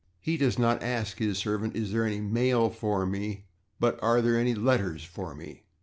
He does not ask his servant, "is there any /mail/ for me?" but, "are there any /letters/ for me?"